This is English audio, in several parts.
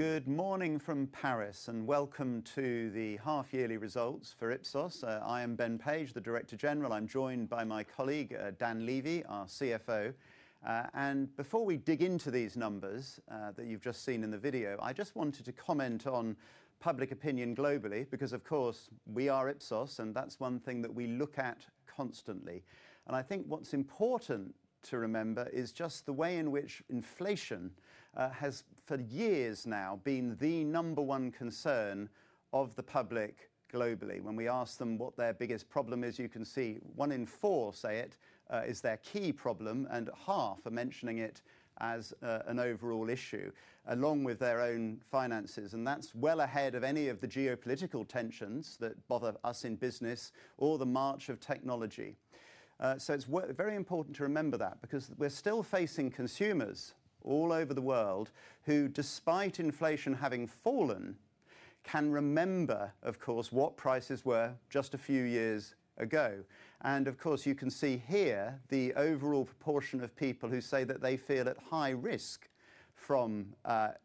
Good morning from Paris and welcome to the half-yearly results for. I am Ben Page, the Director General. I'm joined by my colleague, Dan Levy, our CFO. Before we dig into these numbers that you've just seen in the video, I just wanted to comment on public opinion globally because, of course, we are Ipsos, and that's one thing that we look at constantly. I think what's important to remember is just the way in which inflation has for years now been the number one concern of the public globally. When we ask them what their biggest problem is, you can see one in four say it is their key problem, and half are mentioning it as an overall issue, along with their own finances. That's well ahead of any of the geopolitical tensions that bother us in business or the march of technology. It's very important to remember that because we're still facing consumers all over the world who, despite inflation having fallen, can remember, of course, what prices were just a few years ago. You can see here the overall proportion of people who say that they feel at high risk from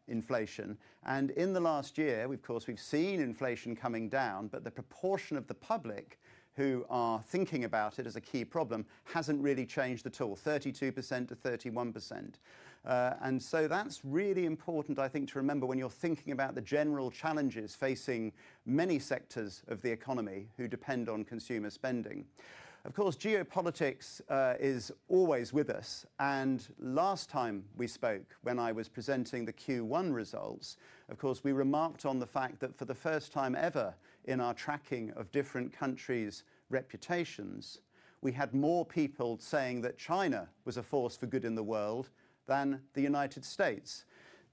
inflation. In the last year, we've seen inflation coming down, but the proportion of the public who are thinking about it as a key problem hasn't really changed at all, 32% to 31%. That's really important, I think, to remember when you're thinking about the general challenges facing many sectors of the economy who depend on consumer spending. Geopolitics is always with us. Last time we spoke, when I was presenting the Q1 results, we remarked on the fact that for the first time ever in our tracking of different countries' reputations, we had more people saying that China was a force for good in the world than the United States.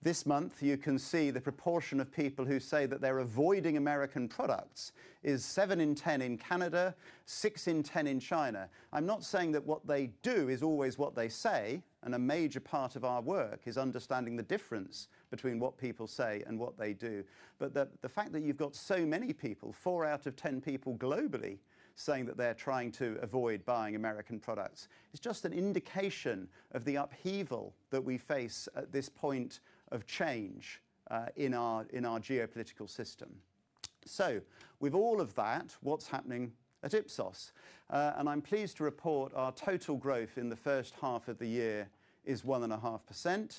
This month, you can see the proportion of people who say that they're avoiding American products is 7 in 10 in Canada, 6 in 10 in China. I'm not saying that what they do is always what they say, and a major part of our work is understanding the difference between what people say and what they do. The fact that you've got so many people, 4 out of 10 people globally, saying that they're trying to avoid buying American products is just an indication of the upheaval that we face at this point of change in our geopolitical system. With all of that, what's happening at Ipsos? I'm pleased to report our total growth in the first half of the year is 1.5%.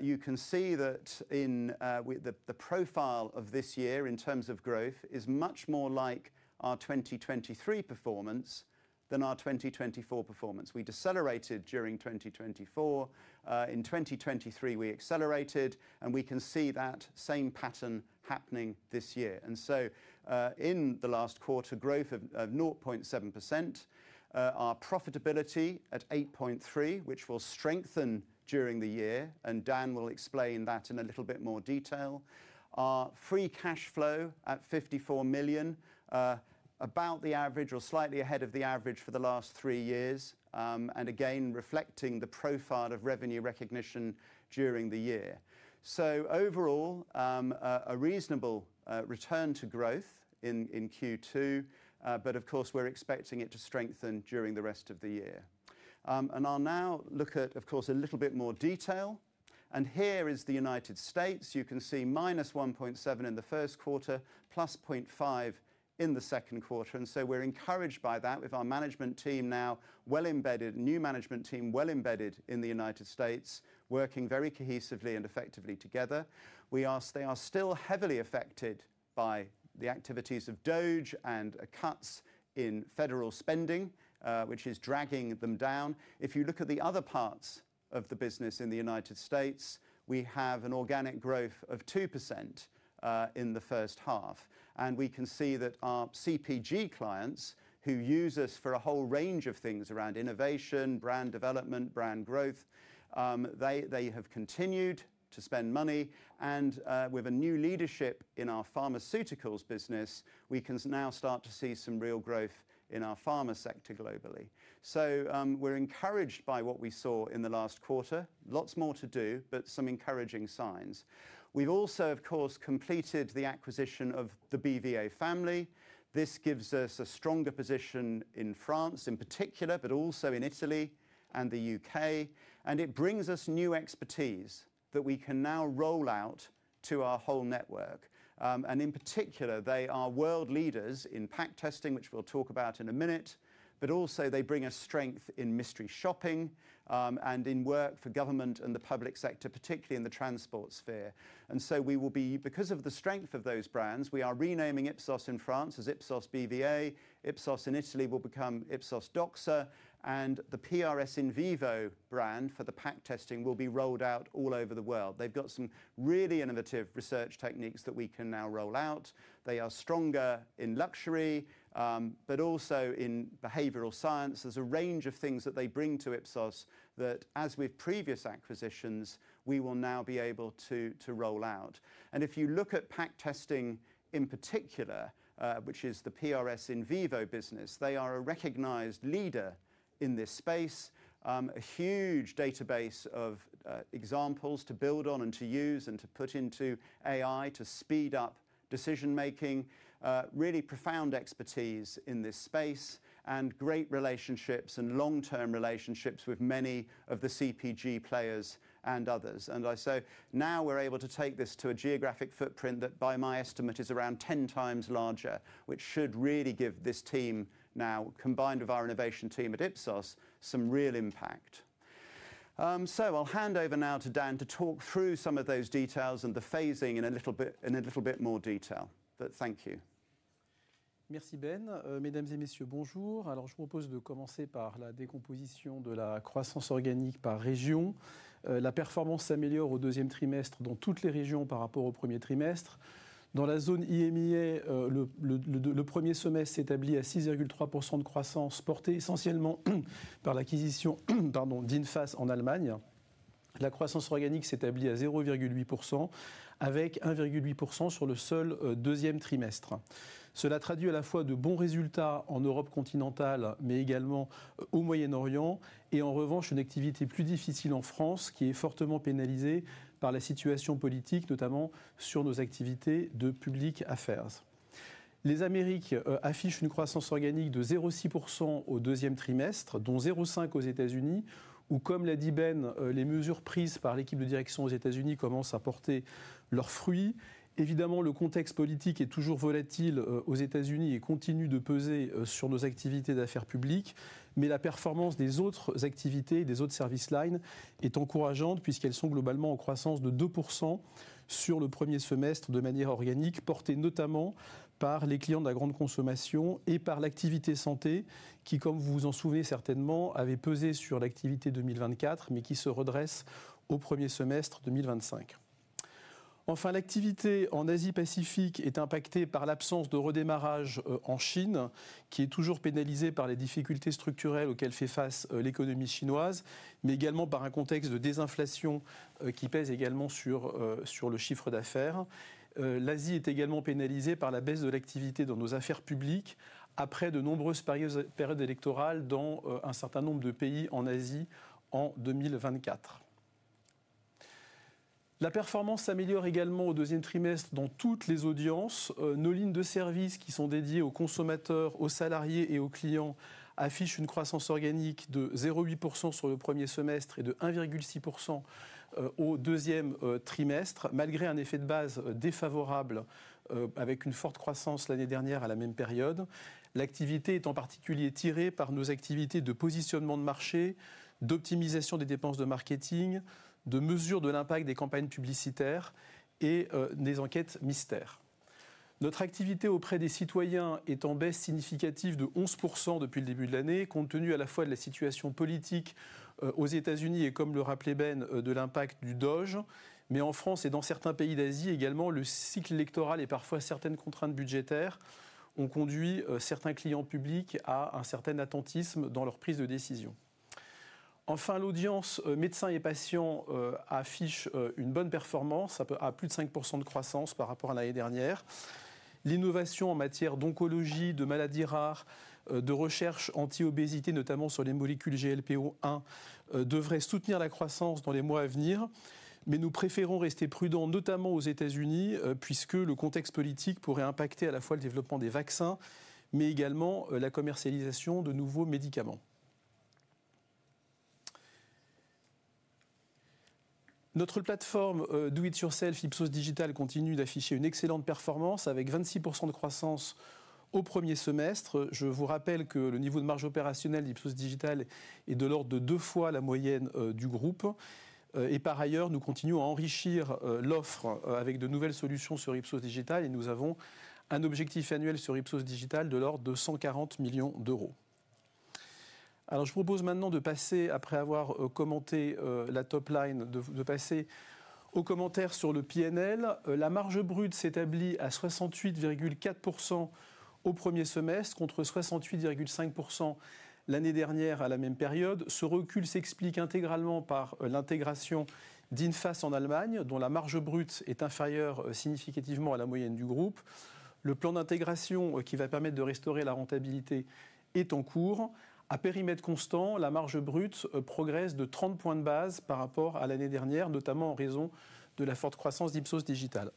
You can see that the profile of this year in terms of growth is much more like our 2023 performance than our 2024 performance. We decelerated during 2024. In 2023, we accelerated, and we can see that same pattern happening this year. In the last quarter, growth of 0.7%, our profitability at 8.3%, which will strengthen during the year, and Dan will explain that in a little bit more detail. Our free cash flow at $54 million, about the average or slightly ahead of the average for the last three years, again reflecting the profile of revenue recognition during the year. Overall, a reasonable return to growth in Q2, and we're expecting it to strengthen during the rest of the year. I'll now look at a little bit more detail. Here is the United States. You can see -1.7% in the first quarter, +0.5% in the second quarter. We're encouraged by that with our management team now well-embedded, new management team well-embedded in the United States, working very cohesively and effectively together. They are still heavily affected by the activities of Doxa and cuts in federal spending, which is dragging them down. If you look at the other parts of the business in the United States, we have an organic growth of 2% in the first half. We can see that our CPG clients, who use us for a whole range of things around innovation, brand development, brand growth, they have continued to spend money. With a new leadership in our pharmaceuticals business, we can now start to see some real growth in our pharma sector globally. We're encouraged by what we saw in the last quarter. Lots more to do, but some encouraging signs. We've also completed the acquisition of the BVA family. This gives us a stronger position in France in particular, but also in Italy and the UK. It brings us new expertise that we can now roll out to our whole network. In particular, they are world leaders in pack testing, which we'll talk about in a minute. They also bring us strength in mystery shopping and in work for government and the public sector, particularly in the transport sphere. We will be, because of the strength of those brands, renaming Ipsos in France as Ipsos BVA. Ipsos in Italy will become Ipsos Doxa, and the PRS IN VIVO brand for the pack testing will be rolled out all over the world. They've got some really innovative research techniques that we can now roll out. They are stronger in luxury, but also in behavioral science. There's a range of things that they bring to Ipsos that, as with previous acquisitions, we will now be able to roll out. If you look at pack testing in particular, which is the PRS IN VIVO business, they are a recognized leader in this space, a huge database of examples to build on and to use and to put into AI to speed up decision-making, really profound expertise in this space, and great relationships and long-term relationships with many of the CPG players and others. We are able to take this to a geographic footprint that, by my estimate, is around 10 times larger, which should really give this team now, combined with our innovation team at Ipsos, some real impact. I'll hand over now to Dan to talk through some of those details and the phasing in a little bit more detail. Thank you. Merci Ben, mesdames et messieur s, bonjour. Alors, je propose de commencer par la décomposition de la croissance organique par région. La performance s'améliore au deuxième trimestre dans toutes les régions par rapport au premier trimestre. Dans la zone EMEA, le premier semestre s'établit à 6.3% de croissance portée essentiellement par l'acquisition d'INFAS en Allemagne. La croissance organique s'établit à 0.8% avec 1.8% sur le seul deuxième trimestre. Cela traduit à la fois de bons résultats en Europe continentale, mais également au Moyen-Orient, et en revanche, une activité plus difficile en France qui est fortement pénalisée par la situation politique, notamment sur nos activités de public affairs. Les Amériques affichent une croissance organique de 0.6% au deuxième trimestre, dont 0.5% aux U.S., où, comme l'a dit Ben, les mesures prises par l'équipe de direction aux U.S. commencent à porter leur s fruits. Évidemment, le contexte politique est toujours volatil aux U.S. Let continue de peser sur nos activités d'affaires publiques, mais la performance des autres activités et des autres service lines est encourageante puisqu'elles sont globalement en croissance de 2% sur le premier semestre de manière organique, portée notamment par les clients de la grande consommation et par l'activité santé qui, comme vous vous en souvenez certainement, avait pesé sur l'activité 2024, mais qui se redresse au premier semestre 2025. Enfin, l'activité en Asie-Pacifique est impactée par l'absence de redémarrage en Chine, qui est toujours pénalisée par les difficultés structurelles auxquelles fait face l'économie chinoise, mais également par un contexte de désinflation qui pèse également sur le chiffre d'affaires. L'Asie est également pénalisée par la baisse de l'activité dans nos affaires publiques après de nombreuses périodes électorales dans un certain nombre de pays en Asie en 2024. La performance s'améliore également au deuxième trimestre dans toutes les audiences. Nos lignes de service, qui sont dédiées aux consommateur s, aux salariés et aux clients, affichent une croissance organique de 0.8% sur le premier semestre et de 1.6% au deuxième trimestre, malgré un effet de base défavorable avec une forte croissance l'année dernière à la même période. L'activité est en particulier tirée par nos activités de market positioning, de marketing optimization, de campaign impact measurement et des enquêtes de mystery shopping. Notre activité auprès des citoyens est en baisse significative de 11% depuis le début de l'année, compte tenu à la fois de la situation politique aux U.S. et, comme le rappelait Ben Page, de l'impact du DOGE. En France et dans certains pays d'Asie également, le cycle électoral et parfois certaines contraintes budgétaires ont conduit certains clients publics à un certain attentisme dans lEUR prise de décision. Enfin, l'audience médecins et patients affiche une bonne performance à plus de 5% de croissance par rapport à l'année dernière. L'innovation en matière d'oncologie, de maladies rares, de recherche anti-obésité, notamment sur les molécules GLP-1, devrait soutenir la croissance dans les mois à venir. Nous préférons rester prudents, notamment aux U.S., puisque le contexte politique pourrait impacter à la fois le développement des vaccins, mais également la commercialisation de nouveaux médicaments. Notre plateforme Do It Yourself Ipsos Digital continue d'afficher une excellente performance avec 26% de croissance au premier semestre. Je vous rappelle que le niveau de marge opérationnelle d'Ipsos Digital est de l'ordre de deux fois la moyenne du groupe. Par aillEUR s, nous continuons à enrichir l'offre avec de nouvelles solutions sur Ipsos Digital et nous avons un objectif annuel sur Ipsos Digital de l'ordre de 140 million. Alors, je propose maintenant de passer, après avoir commenté la top line, de passer aux commentaires sur le P&L. La marge brute s'établit à 68.4% au premier semestre contre 68.5% l'année dernière à la même période. Ce recul s'explique intégralement par l'intégration d'INFAS en Allemagne, dont la marge brute est infériEUR e significativement à la moyenne du groupe. Le plan d'intégration qui va permettre de restaurer la rentabilité est en cours. À périmètre constant, la marge brute progresse de 30 points de base par rapport à l'année dernière, notamment en raison de la forte croissance d'Ipsos Digital.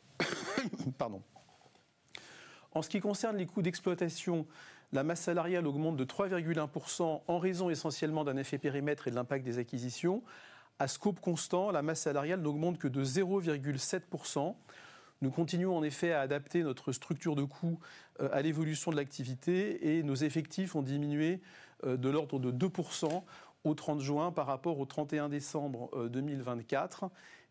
En ce qui concerne les coûts d'exploitation, la masse salariale augmente de 3.1% en raison essentiellement d'un effet périmètre et de l'impact des acquisitions. À scoop constant, la masse salariale n'augmente que de 0.7%. Nous continuons en effet à adapter notre structure de coûts à l'évolution de l'activité et nos effectifs ont diminué de l'ordre de 2% au 30 juin par rapport au 31 décembre 2024.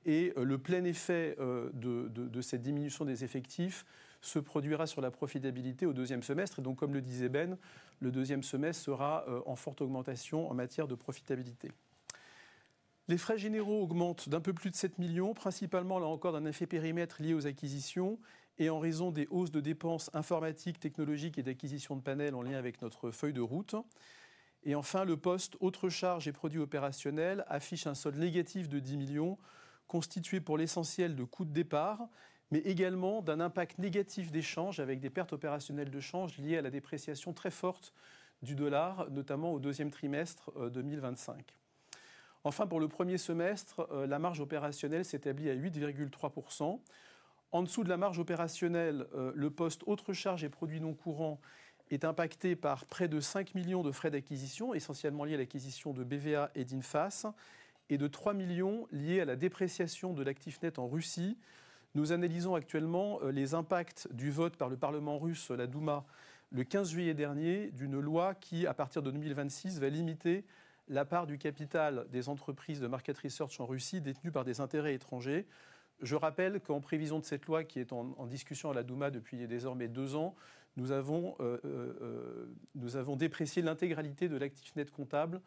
Et le plein effet de cette diminution des effectifs se produira sur la profitabilité au deuxième semestre. Comme le disait Ben, le deuxième semestre sera en forte augmentation en matière de profitabilité. Les frais généraux augmentent d'un peu plus de 7 million, principalement là encore d'un effet périmètre lié aux acquisitions et en raison des hausses de dépenses informatiques, technologiques et d'acquisition de panels en lien avec notre feuille de route. Enfin, le poste autres charges et produits opérationnels affiche un solde négatif de 10 million, constitué pour l'essentiel de coûts de départ, mais également d'un impact négatif des charges avec des pertes opérationnelles de change liées à la dépréciation très forte du dollar, notamment au deuxième trimestre 2025. Pour le premier semestre, la marge opérationnelle s'établit à 8.3%. En dessous de la marge opérationnelle, le poste autres charges et produits non courants est impacté par près de 5 million de frais d'acquisition, essentiellement liés à l'acquisition de BVA et d'INFAS, et de 3 million liés à la dépréciation de l'actif net en Russie. Nous analysons actuellement les impacts du vote par le Parlement russe, la Duma, le 15 juillet dernier, d'une loi qui, à partir de 2026, va limiter la part du capital des entreprises de market research en Russie détenues par des intérêts étrangers. Je rappelle qu'en prévision de cette loi qui est en discussion à la Duma depuis désormais deux ans, nous avons déprécié l'intégralité de l'actif net comptable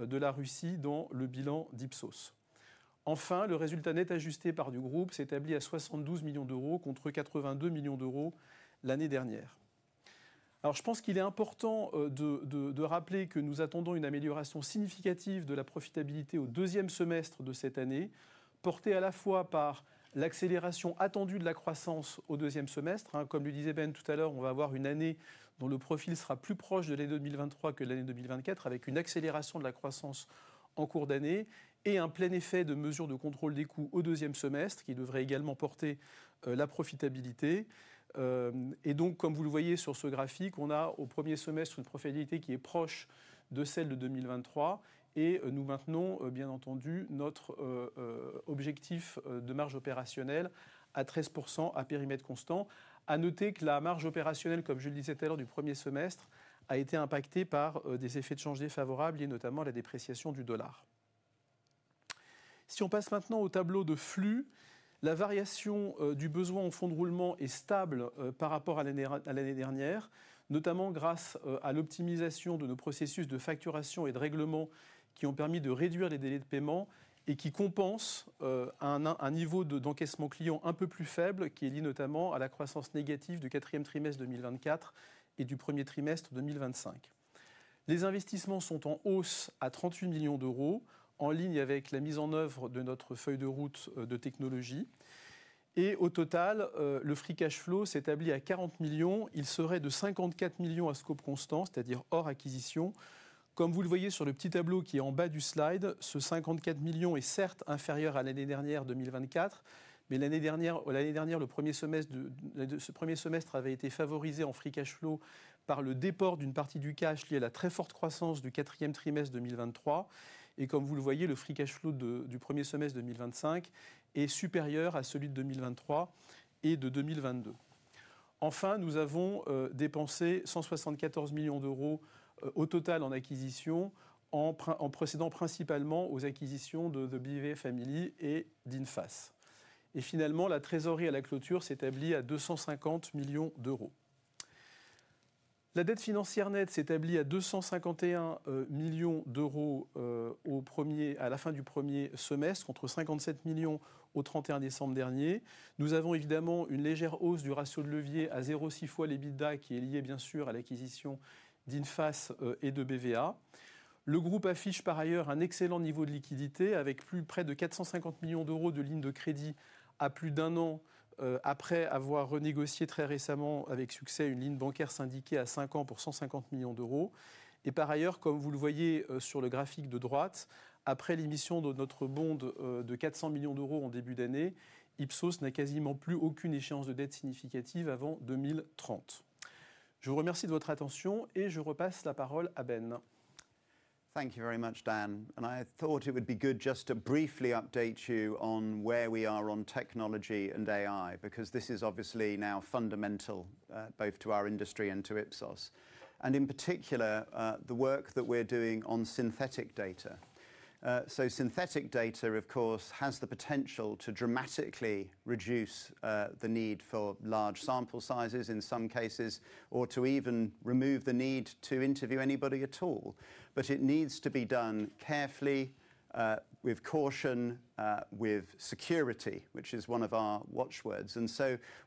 de la Russie dans le bilan d'Ipsos. Enfin, le résultat net ajusté du groupe s'établit à 72 million contre 82 million l'année dernière. Je pense qu'il est important de rappeler que nous attendons une amélioration significative de la profitabilité au deuxième semestre de cette année, portée à la fois par l'accélération attendue de la croissance au deuxième semestre. Comme le disait Ben tout à l'hEUR e, on va avoir une année dont le profil sera plus proche de l'année 2023 que de l'année 2024, avec une accélération de la croissance en cours d'année et un plein effet de mesures de contrôle des coûts au deuxième semestre qui devrait également porter la profitabilité. Comme vous le voyez sur ce graphique, on a au premier semestre une profitabilité qui est proche de celle de 2023 et nous maintenons, bien entendu, notre objectif de marge opérationnelle à 13% à périmètre constant. À noter que la marge opérationnelle, comme je le disais tout à l'hEUR e, du premier semestre a été impactée par des effets de change défavorables et notamment la dépréciation du dollar. Si on passe maintenant au tableau de flux, la variation du besoin en fonds de roulement est stable par rapport à l'année dernière, notamment grâce à l'optimisation de nos processus de facturation et de règlement qui ont permis de réduire les délais de paiement et qui compensent un niveau d'encaissement client un peu plus faible, qui est lié notamment à la croissance négative du quatrième trimestre 2024 et du premier trimestre 2025. Les investissements sont en hausse à 38 million, en ligne avec la mise en œuvre de notre feuille de route de technologie. Au total, le free cash flow s'établit à 40 million. Il serait de 54 million à scope constant, c'est-à-dire hors acquisition. Comme vous le voyez sur le petit tableau qui est en bas du slide, ce 54 million est certes infériEUR à l'année dernière 2024, mais l'année dernière, le premier semestre avait été favorisé en free cash flow par le déport d'une partie du cash lié à la très forte croissance du quatrième trimestre 2023. Comme vous le voyez, le free cash flow du premier semestre 2025 est supériEUR à celui de 2023 et de 2022. Enfin, nous avons dépensé 174 million au total en acquisition, en procédant principalement aux acquisitions de BVA family et d'INFAS. Finalement, la trésorerie à la clôture s'établit à 250 million. La dette financière nette s'établit à 251 million à la fin du premier semestre, contre 57 million au 31 décembre dernier. Nous avons évidemment une légère hausse du ratio de levier à 0.6 fois l'EBITDA, qui est lié bien sûr à l'acquisition d'INFAS et de BVA. Le groupe affiche par aillEUR s un excellent niveau de liquidité, avec près de 450 million de lignes de crédit à plus d'un an, après avoir renégocié très récemment avec succès une ligne bancaire syndiquée à cinq ans pour 150 million. Par aillEUR s, comme vous le voyez sur le graphique de droite, après l'émission de notre bonde de 400 million en début d'année, Ipsos n'a quasiment plus aucune échéance de dette significative avant 2030. Je vous remercie de votre attention et je repasse la parole à Ben. Thank you very much, Dan. I thought it would be good just to briefly update you on where we are on technology and AI, because this is obviously now fundamental both to our industry and to Ipsos, and in particular the work that we're doing on synthetic data. Synthetic data, of course, has the potential to dramatically reduce the need for large sample sizes in some cases, or to even remove the need to interview anybody at all. It needs to be done carefully, with caution, with security, which is one of our watchwords.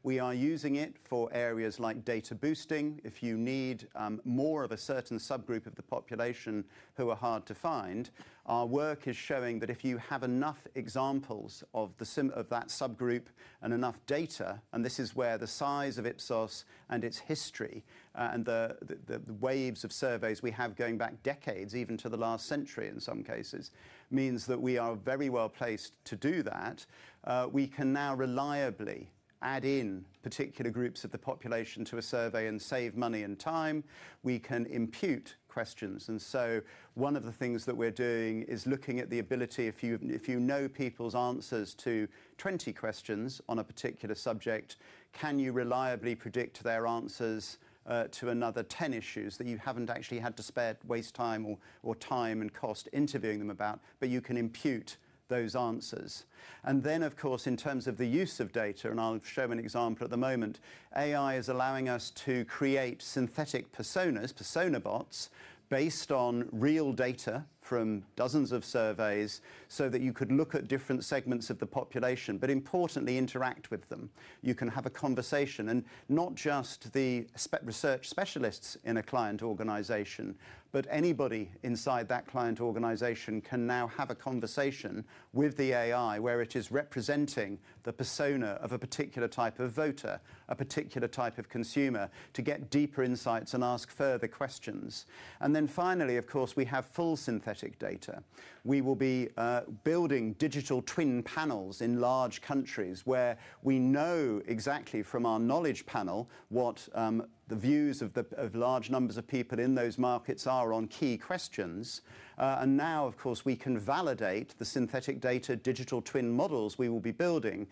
We are using it for areas like data boosting. If you need more of a certain subgroup of the population who are hard to find, our work is showing that if you have enough examples of that subgroup and enough data, and this is where the size of Ipsos and its history and the waves of surveys we have going back decades, even to the last century in some cases, means that we are very well placed to do that. We can now reliably add in particular groups of the population to a survey and save money and time. We can impute questions. One of the things that we're doing is looking at the ability, if you know people's answers to 20 questions on a particular subject, can you reliably predict their answers to another 10 issues that you haven't actually had to waste time and cost interviewing them about, but you can impute those answers. In terms of the use of data, and I'll show an example at the moment, AI is allowing us to create synthetic personas, persona bots, based on real data from dozens of surveys so that you could look at different segments of the population, but importantly interact with them. You can have a conversation, and not just the research specialists in a client organization, but anybody inside that client organization can now have a conversation with the AI where it is representing the persona of a particular type of voter, a particular type of consumer, to get deeper insights and ask further questions. Finally, we have full synthetic data. We will be building digital twin panels in large countries where we know exactly from our knowledge panel what the views of large numbers of people in those markets are on key questions. Now, of course, we can validate the synthetic data digital twin models we will be building.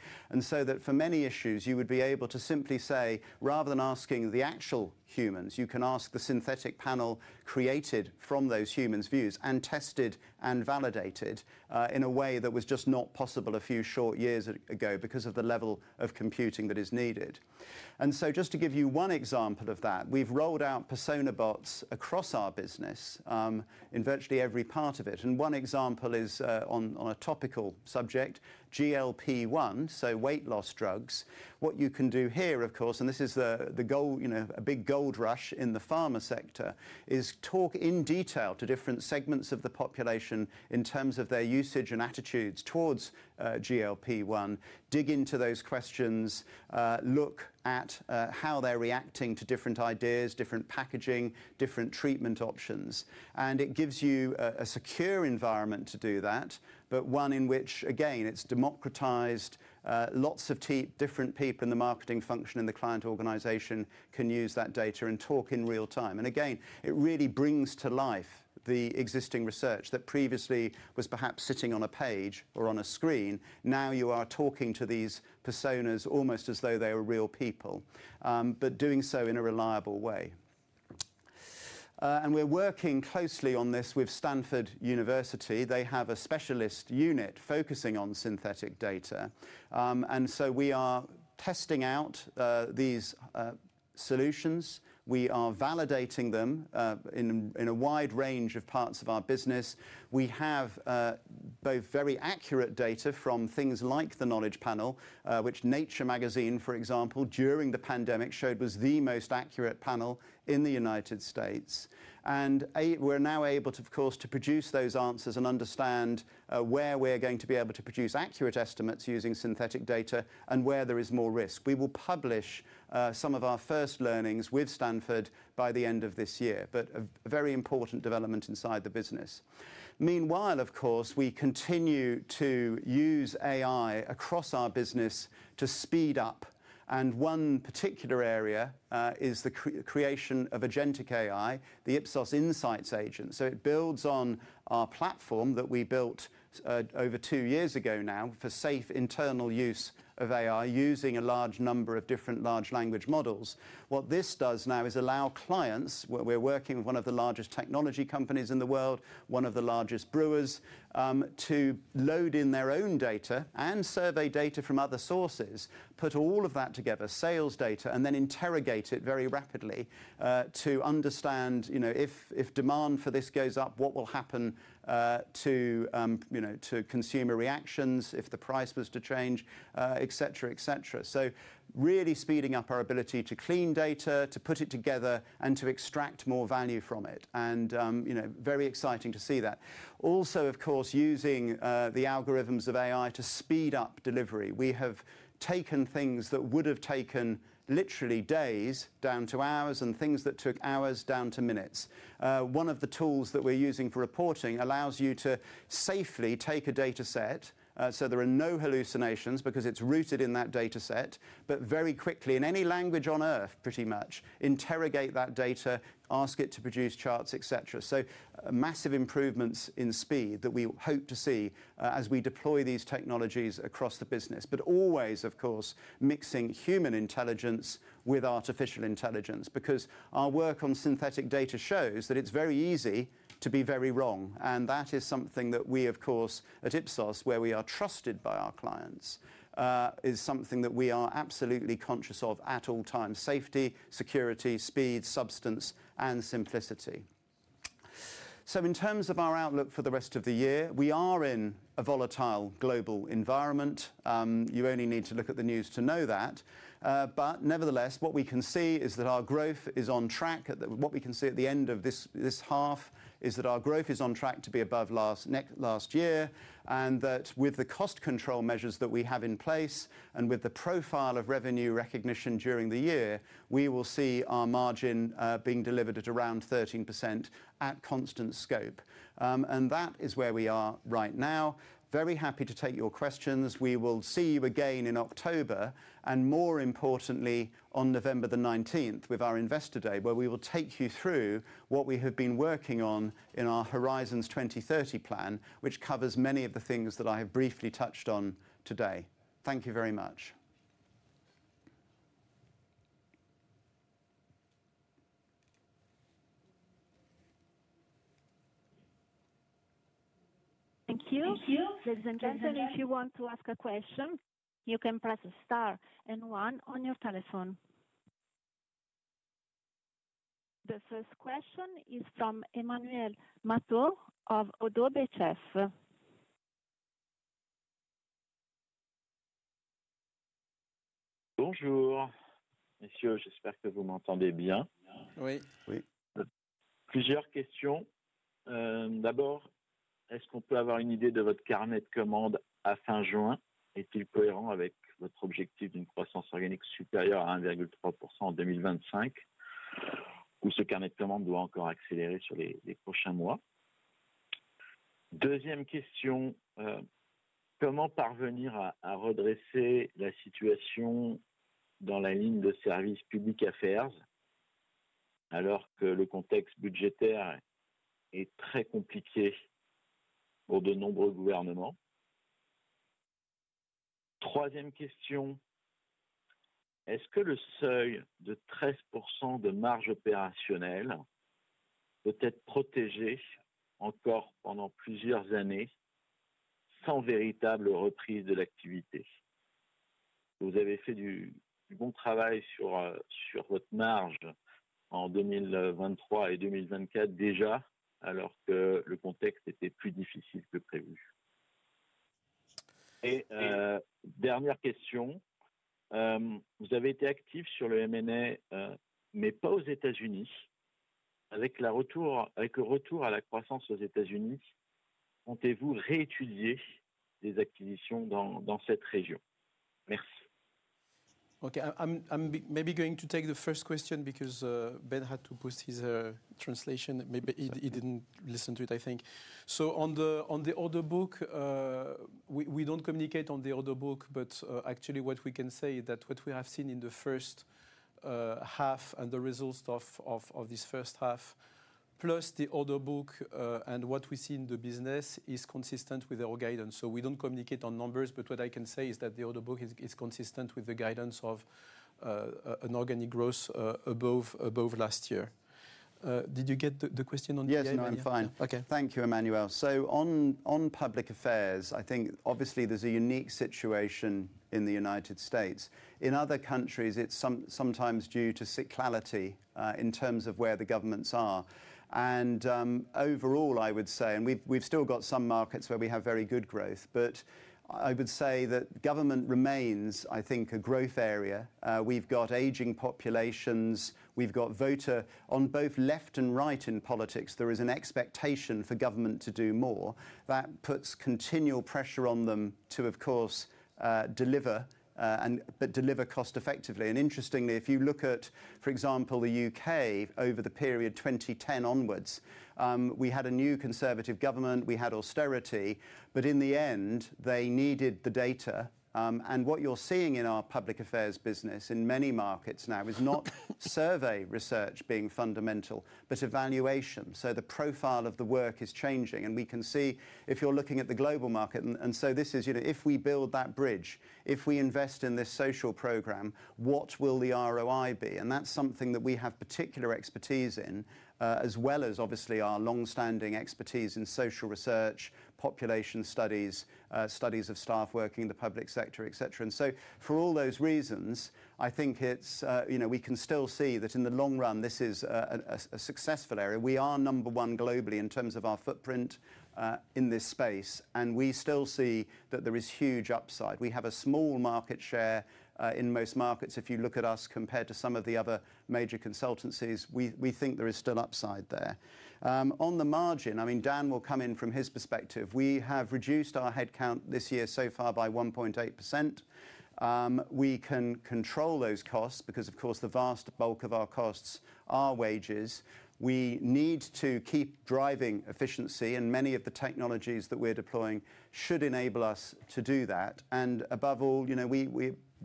For many issues, you would be able to simply say, rather than asking the actual humans, you can ask the synthetic panel created from those humans' views and tested and validated in a way that was just not possible a few short years ago because of the level of computing that is needed. To give you one example of that, we've rolled out persona bots across our business in virtually every part of it. One example is on a topical subject, GLP-1, so weight loss drugs. What you can do here, of course, and this is a big gold rush in the pharma sector, is talk in detail to different segments of the population in terms of their usage and attitudes towards GLP-1, dig into those questions, look at how they're reacting to different ideas, different packaging, different treatment options. It gives you a secure environment to do that, but one in which, again, it's democratized. Lots of different people in the marketing function and the client organization can use that data and talk in real time. It really brings to life the existing research that previously was perhaps sitting on a page or on a screen. Now you are talking to these personas almost as though they were real people, but doing so in a reliable way. We're working closely on this with Stanford University. They have a specialist unit focusing on synthetic data. We are testing out these solutions. We are validating them in a wide range of parts of our business. We have both very accurate data from things like the Knowledge Panel, which Nature magazine, for example, during the pandemic showed was the most accurate panel in the United States. We're now able to, of course, produce those answers and understand where we're going to be able to produce accurate estimates using synthetic data and where there is more risk. We will publish some of our first learnings with Stanford by the end of this year, but a very important development inside the business. Meanwhile, of course, we continue to use AI across our business to speed up. One particular area is the creation of Agentic AI, the Ipsos Insights Agent. It builds on our platform that we built over two years ago now for safe internal use of AI using a large number of different large language models. What this does now is allow clients, we're working with one of the largest technology companies in the world, one of the largest brewers, to load in their own data and survey data from other sources, put all of that together, sales data, and then interrogate it very rapidly to understand if demand for this goes up, what will happen to consumer reactions if the price was to change, etc., etc. It is really speeding up our ability to clean data, to put it together, and to extract more value from it. It is very exciting to see that. Also, of course, using the algorithms of AI to speed up delivery. We have taken things that would have taken literally days down to hours and things that took hours down to minutes. One of the tools that we're using for reporting allows you to safely take a data set, so there are no hallucinations because it's rooted in that data set, but very quickly, in any language on Earth, pretty much, interrogate that data, ask it to produce charts, etc. There are massive improvements in speed that we hope to see as we deploy these technologies across the business. Always, of course, mixing human intelligence with artificial intelligence because our work on synthetic data shows that it's very easy to be very wrong. That is something that we, of course, at Ipsos, where we are trusted by our clients, is something that we are absolutely conscious of at all times: safety, security, speed, substance, and simplicity. In terms of our outlook for the rest of the year, we are in a volatile global environment. You only need to look at the news to know that. Nevertheless, what we can see is that our growth is on track. What we can see at the end of this half is that our growth is on track to be above last year. With the cost control measures that we have in place and with the profile of revenue recognition during the year, we will see our margin being delivered at around 13% at constant scope. That is where we are right now. Very happy to take your questions. We will see you again in October, and more importantly, on November 19th with our Investor Day, where we will take you through what we have been working on in our Horizons 2030 plan, which covers many of the things that I have briefly touched on today. Thank you very much. Thank you. Ladies and gentlemen, if you want to ask a question, you can press * and 1 on your telephone. The first question is from Emmanuel Matot of Oddo BHF. Bonjour, messi s, I hope you can hear me well. Oui. Plusieur s questions. D'abord, est-ce qu'on peut avoir une idée de votre carnet de commandes à fin juin? Est-il cohérent avec votre objectif d'une croissance organique supérieure à 1.3% en 2025? Ou ce carnet de commandes doit encore accélérer sur les prochains mois? Deuxième question: comment parvenir à redresser la situation dans la ligne de service public affaires, alors que le contexte budgétaire est très compliqué pour de nombreux gouvernements? Troisième question: est-ce que le seuil de 13% de marge opérationnelle peut être protégé encore pendant plusieurs années sans véritable reprise de l'activité? Vous avez fait du bon travail sur votre marge en 2023 et 2024 déjà, alors que le contexte était plus difficile que prévu. Dernière question: vous avez été actif sur le M&A, mais pas aux U.S. Avec le retour à la croissance aux U.S., comptez-vous réétudier des acquisitions dans cette région? Merci. Okay. I'm maybe going to take the first question because Ben had to proceed to the translation. He didn't listen to it, I think. On the order book, we don't communicate on the order book, but actually what we can say is that what we have seen in the first half and the results of this first half, plus the order book and what we see in the business, is consistent with our guidance. We don't communicate on numbers, but what I can say is that the order book is consistent with the guidance of an organic growth above last year. Did you get the question on? Yes, I'm fine. Okay. Thank you, Emmanuel. On public affairs, I think obviously there's a unique situation in the U.S. In other countries, it's sometimes due to cyclicality in terms of where the governments are. Overall, I would say we've still got some markets where we have very good growth, but I would say that government remains, I think, a growth area. We've got aging populations. We've got voters on both left and right in politics. There is an expectation for government to do more. That puts continual pressure on them to, of course, deliver, but deliver cost effectively. Interestingly, if you look at, for example, the UK over the period 2010 onwards, we had a new Conservative government. We had austerity. In the end, they needed the data. What you're seeing in our public affairs business in many markets now is not survey research being fundamental, but evaluation. The profile of the work is changing. We can see if you're looking at the global market. This is, you know, if we build that bridge, if we invest in this social program, what will the ROI be? That's something that we have particular expertise in, as well as obviously our longstanding expertise in social research, population studies, studies of staff working in the public sector, et cetera. For all those reasons, I think we can still see that in the long run, this is a successful area. We are number one globally in terms of our footprint in this space. We still see that there is huge upside. We have a small market share in most markets. If you look at us compared to some of the other major consultancies, we think there is still upside there. On the margin, I mean, Dan will come in from his perspective. We have reduced our headcount this year so far by 1.8%. We can control those costs because, of course, the vast bulk of our costs are wages. We need to keep driving efficiency, and many of the technologies that we're deploying should enable us to do that. Above all, you know,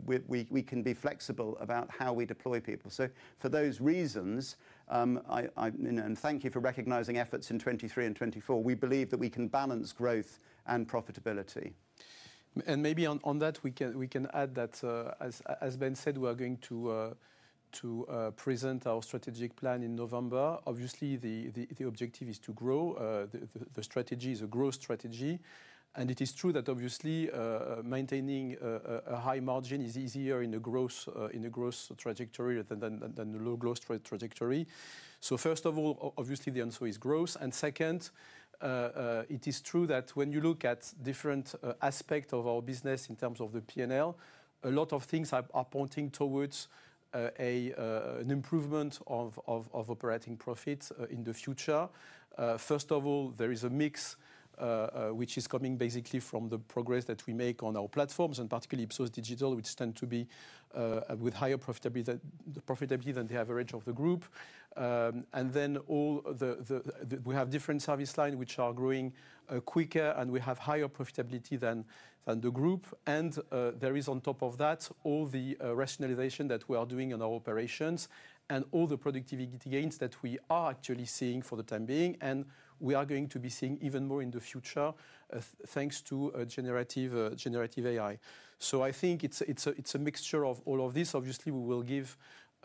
we can be flexible about how we deploy people. For those reasons, and thank you for recognizing efforts in 2023 and 2024, we believe that we can balance growth and profitability. Maybe on that, we can add that, as Ben Page said, we are going to present our strategic plan in November. Obviously, the objective is to grow. The strategy is a growth strategy. It is true that maintaining a high margin is easier in a growth trajectory than a low growth trajectory. First of all, the answer is growth. It is true that when you look at different aspects of our business in terms of the P&L, a lot of things are pointing towards an improvement of operating profits in the future. First of all, there is a mix which is coming basically from the progress that we make on our platforms, and particularly Ipsos Digital, which tend to be with higher profitability than the average of the group. We have different service lines which are growing quicker, and we have higher profitability than the group. On top of that, all the rationalization that we are doing in our operations and all the productivity gains that we are actually seeing for the time being. We are going to be seeing even more in the future thanks to generative AI. I think it's a mixture of all of this. We will give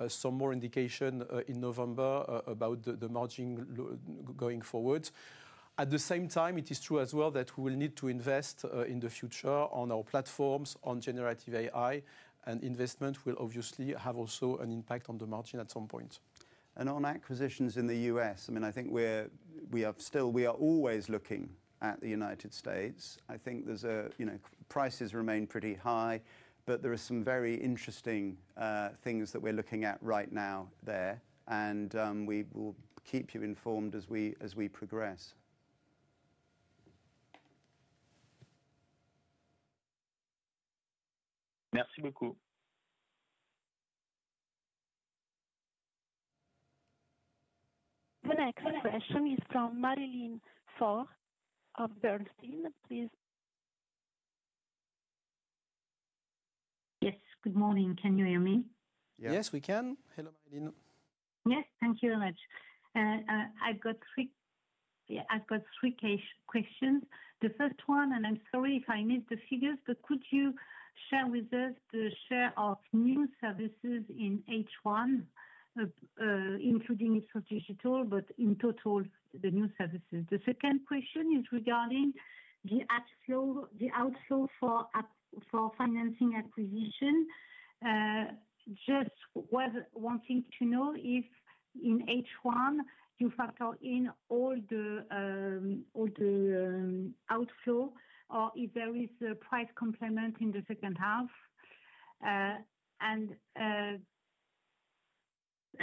some more indication in November about the margin going forward. At the same time, it is true as well that we will need to invest in the future on our platforms on generative AI, and investment will also have an impact on the margin at some point. Regarding acquisitions in the US, I think we are always looking at the United States. I think prices remain pretty high, but there are some very interesting things that we're looking at right now there. We will keep you informed as we progress. Merci beaucoup. have only one question, but it's to Marie-Line Fort of Bernstein Yes, good morning. Can you hear me? Yes, we can. Hello, Marie-Line. Yes, thank you very much. I've got three questions. The first one, and I'm sorry if I missed the figures, but could you share with us the share of new services in H1, including Ipsos Digital, but in total, the new services? The second question is regarding the outflow for financing acquisition. Just wanting to know if in H1, you factor in all the outflow or if there is a price complement in the second half.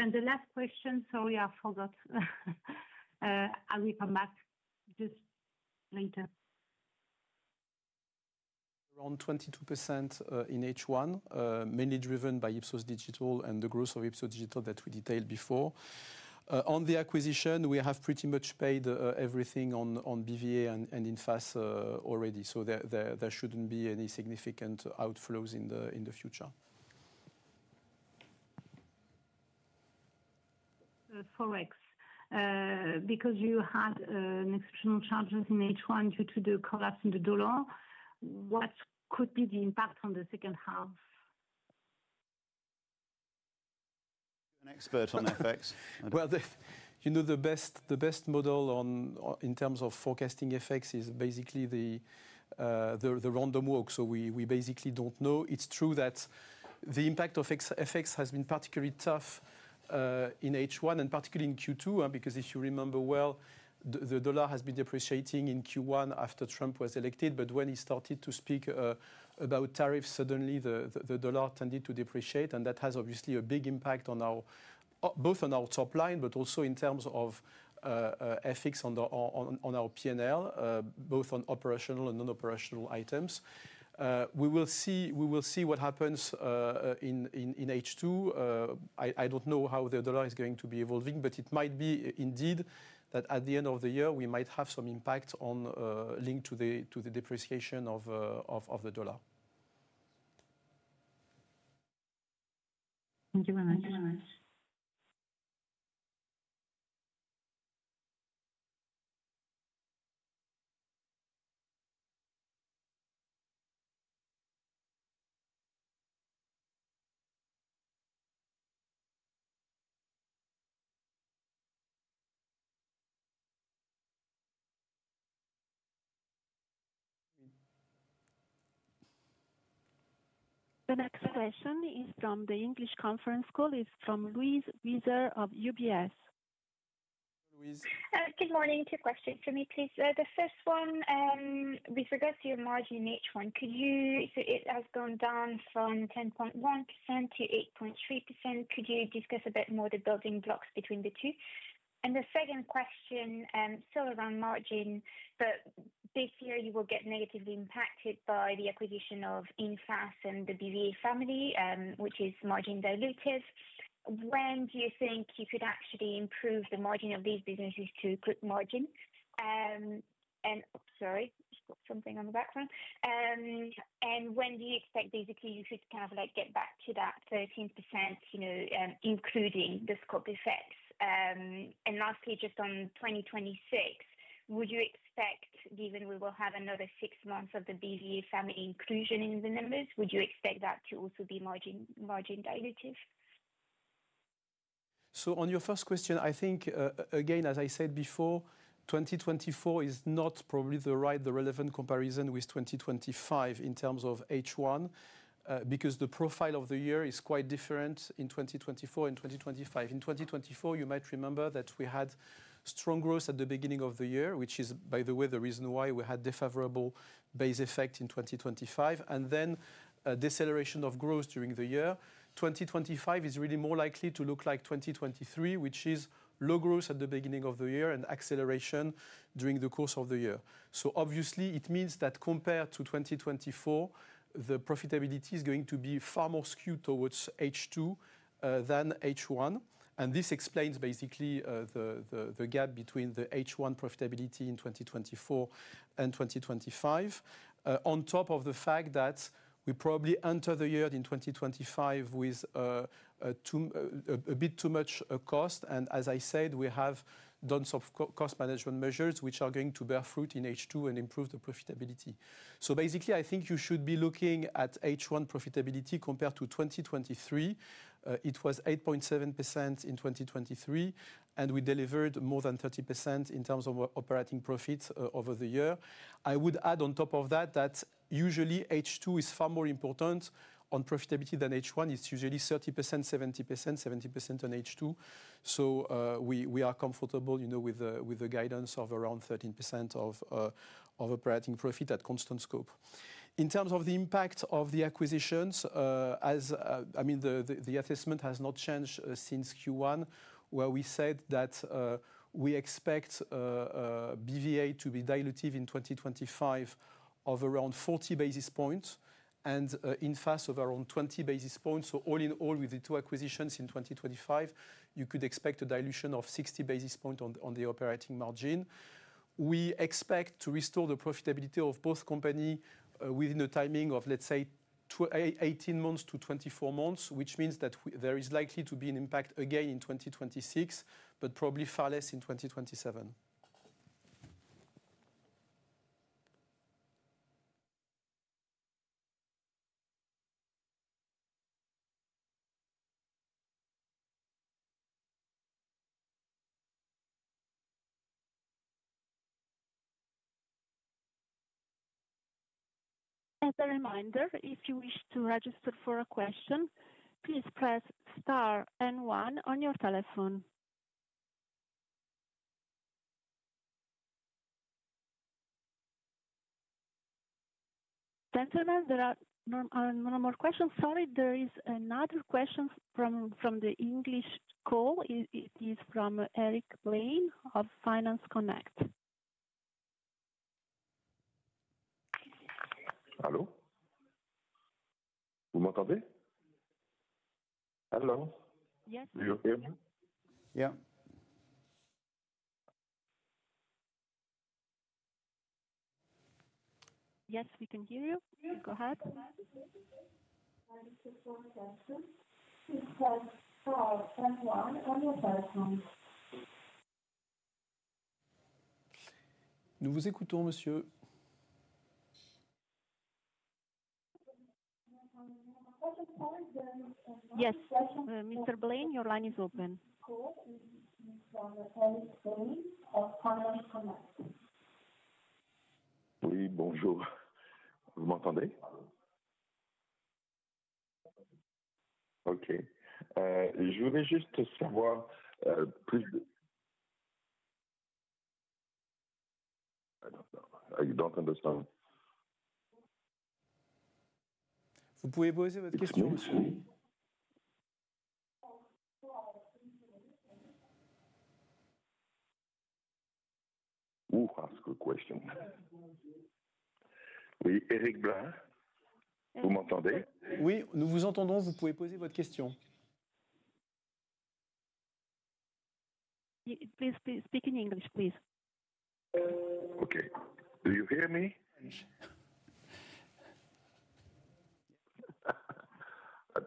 The last question, sorry, I forgot. I'll come back just later. Around 22% in H1, mainly driven by Ipsos Digital and the growth of Ipsos Digital that we detailed before. On the acquisition, we have pretty much paid everything on BVA and INFAS already. There shouldn't be any significant outflows in the future. FX, because you had exceptional charges in H1 due to the collapse in the dollar, what could be the impact on the second half? An expert on FX. You know, the best model in terms of forecasting FX is basically the random walk. We basically don't know. It's true that the impact of FX has been particularly tough in H1 and particularly in Q2, because if you remember well, the dollar has been depreciating in Q1 after Trump was elected. When he started to speak about tariffs, suddenly the dollar tended to depreciate. That has obviously a big impact both on our top line, but also in terms of FX on our P&L, both on operational and non-operational items. We will see what happens in H2. I don't know how the dollar is going to be evolving, but it might be indeed that at the end of the year, we might have some impact linked to the depreciation of the dollar. Thank you very much. Thank you. An observation from the English conference call is from Louise Wieser of UBS. Good morning. Two questions for me, please. The first one, with regards to your margin in H1, could you say it has gone down from 10.1% to 8.3%? Could you discuss a bit more the building blocks between the two? The second question, still around margin, this year you will get negatively impacted by the acquisition of INFAS and the BVA family, which is margin dilutive. When do you think you could actually improve the margin of these businesses to a good margin? When do you expect you could get back to that 13%, including the scope effects? Lastly, just on 2026, would you expect, given we will have another six months of the BVA family inclusion in the numbers, would you expect that to also be margin dilutive? On your first question, I think, as I said before, 2024 is not probably the relevant comparison with 2025 in terms of H1, because the profile of the year is quite different in 2024 and 2025. In 2024, you might remember that we had strong growth at the beginning of the year, which is, by the way, the reason why we had a favorable base effect in 2025, and then a deceleration of growth during the year. 2025 is really more likely to look like 2023, which is low growth at the beginning of the year and acceleration during the course of the year. Obviously, it means that compared to 2024, the profitability is going to be far more skewed towards H2 than H1. This explains basically the gap between the H1 profitability in 2024 and 2025, on top of the fact that we probably enter the year in 2025 with a bit too much cost. As I said, we have done some cost management measures which are going to bear fruit in H2 and improve the profitability. I think you should be looking at H1 profitability compared to 2023. It was 8.7% in 2023, and we delivered more than 30% in terms of operating profits over the year. I would add on top of that that usually H2 is far more important on profitability than H1. It's usually 30%, 70%, 70% on H2. We are comfortable with the guidance of around 13% of operating profit at constant scope. In terms of the impact of the acquisitions, the assessment has not changed since Q1, where we said that we expect BVA to be dilutive in 2025 of around 40 basis points and INFAS of around 20 basis points. All in all, with the two acquisitions in 2025, you could expect a dilution of 60 basis points on the operating margin. We expect to restore the profitability of both companies within a timing of, let's say, 18 months to 24 months, which means that there is likely to be an impact again in 2026, but probably far less in 2027. As a reminder, if you wish to register for a question, please press star and one on your telephone. Gentlemen, there are no more questions. Sorry, there is another question from the English call. It is from Eric Blain of Finance Connect. Can you hear me? Yes. Yes, we can hear you. Yes, we can hear you. Go ahead. listening to you, sir. Yes, Mr. Blain, your line is open. you hear me? Ok. I would just like to know more about... You don't understand. You may ask your question, sir. Who asked a question? Yes, Eric Blain. Can you hear me? we can hear you. You can ask your question. Speak in English, please. Okay, do you hear me? I'm sorry. The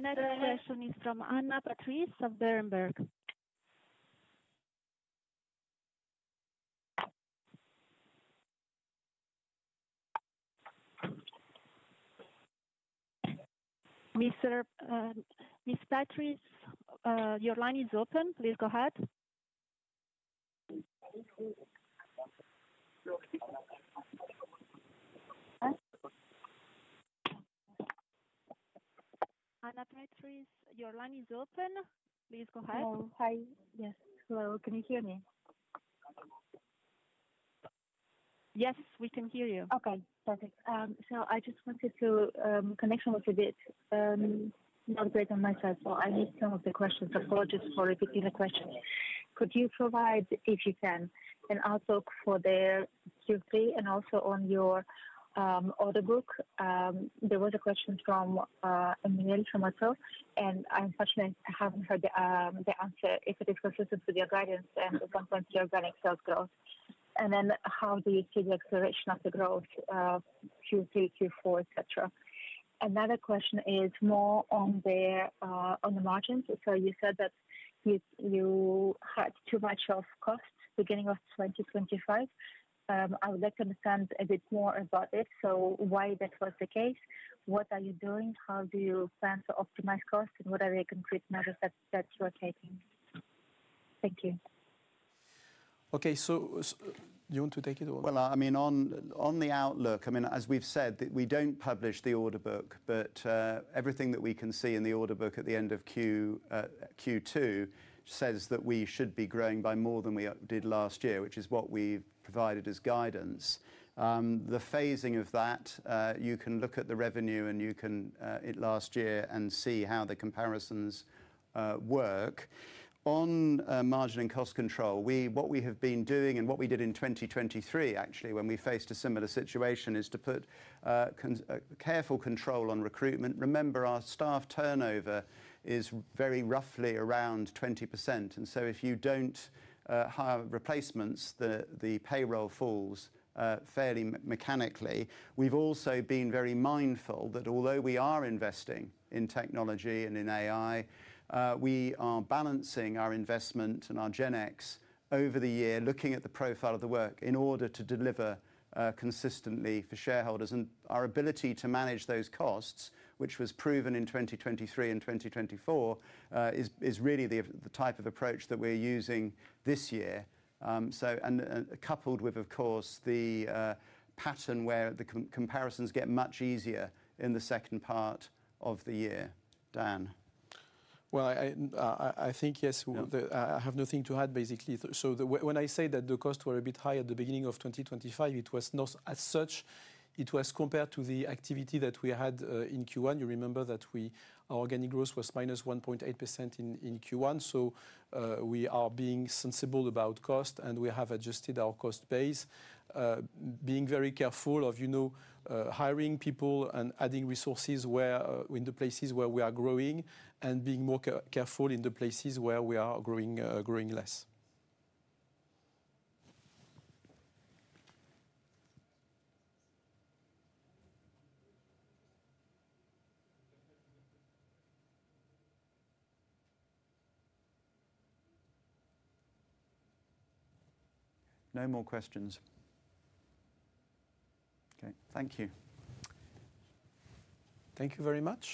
next question is from Anna Patrice of Berenberg. Ms. Patrice, your line is open. Please go ahead. Hello. Hi. Yes. Hello. Can you hear me? Yes, we can hear you. Okay. Perfect. I just wanted to connect with you a bit. Not great on my side, so I missed some of the questions. Apologies for repeating the question. Could you provide, if you can, an outlook for Q3 and also on your order book? There were the questions from Emmanuel Matot, and I haven't heard the answer if it is consistent with your guidance and the components of your organic sales growth. How do you see the acceleration of the growth, Q3, Q4, etc.? Another question is more on the margins. You said that you had too much cost beginning with 2025. I would like to understand a bit more about this. Why was this the case? What are you doing? How do you plan to optimize costs? What are the concrete measures that you're taking? Thank you. Okay, do you want to take it? On the outlook, as we've said, we don't publish the order book, but everything that we can see in the order book at the end of Q2 says that we should be growing by more than we did last year, which is what we've provided as guidance. The phasing of that, you can look at the revenue and you can last year and see how the comparisons work. On margin and cost control, what we have been doing and what we did in 2023, actually, when we faced a similar situation, is to put careful control on recruitment. Remember, our staff turnover is very roughly around 20%. If you don't hire replacements, the payroll falls fairly mechanically. We've also been very mindful that although we are investing in technology and in AI, we are balancing our investment and our Gen X over the year, looking at the profile of the work in order to deliver consistently for shareholders. Our ability to manage those costs, which was proven in 2023 and 2024, is really the type of approach that we're using this year, coupled with, of course, the pattern where the comparisons get much easier in the second part of the year. Dan? I think yes, I have nothing to add, basically. When I say that the costs were a bit high at the beginning of 2025, it was not as such. It was compared to the activity that we had in Q1. You remember that our organic growth was -1.8% in Q1. We are being sensible about cost and we have adjusted our cost base, being very careful of, you know, hiring people and adding resources in the places where we are growing and being more careful in the places where we are growing less. No more questions. Okay, thank you. Thank you very much.